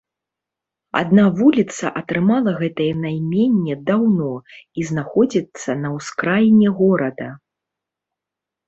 Адна вуліца атрымала гэтае найменне даўно і знаходзіцца на ўскраіне горада.